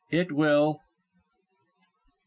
It will [_The MS.